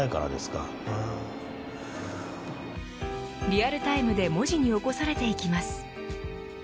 リアルタイムで文字に起こされていきます。